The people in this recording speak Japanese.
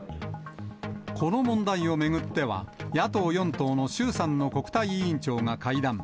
この問題を巡っては、野党４党の衆参の国対委員長が会談。